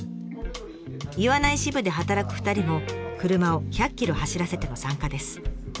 岩内支部で働く２人も車を１００ｋｍ走らせての参加です。